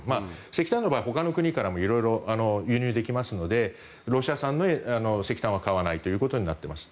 石炭の場合はほかの国から色々、輸入できますのでロシア産の石炭は買わないとなっています。